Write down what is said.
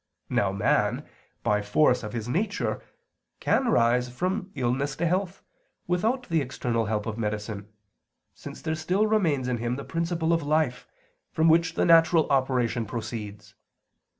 Now, man, by force of his nature, can rise from illness to health, without the external help of medicine, since there still remains in him the principle of life, from which the natural operation proceeds.